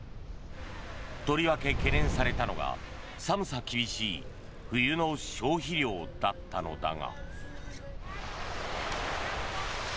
とりわけ懸念されたのが寒さ厳しい冬の消費量だったのだが。